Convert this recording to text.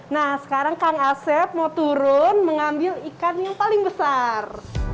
nah sekarang kang asep mau turun mengambil ikan yang paling besar